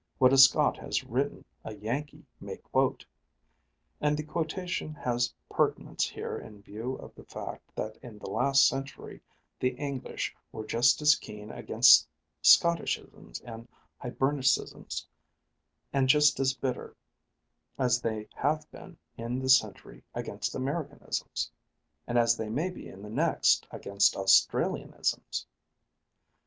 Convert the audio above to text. What a Scot has written a Yankee may quote. And the quotation has pertinence here in view of the fact that in the last century the English were just as keen against Scotticisms and Hibernicisms, and just as bitter, as they have been in this century against Americanisms, and as they may be in the next against Australianisms.